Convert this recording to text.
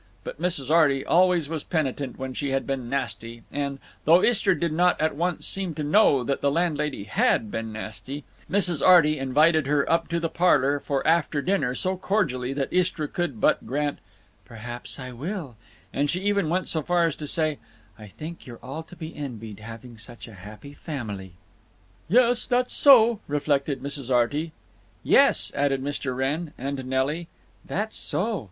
But Mrs. Arty always was penitent when she had been nasty, and—though Istra did not at once seem to know that the landlady had been nasty—Mrs. Arty invited her up to the parlor for after dinner so cordially that Istra could but grant "Perhaps I will," and she even went so far as to say, "I think you're all to be envied, having such a happy family." "Yes, that's so," reflected Mrs. Arty. "Yes," added Mr. Wrenn. And Nelly: "That's so."